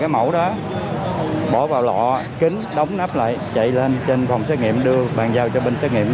mẫu đó bỏ vào lọ kính đóng nắp lại chạy lên trên phòng xét nghiệm đưa bàn giao cho bên xét nghiệm